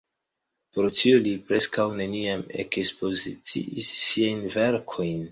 Pro tio li preskaŭ neniam ekspoziciis siajn verkojn.